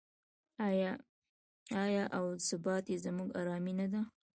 آیا او ثبات یې زموږ ارامي نه ده؟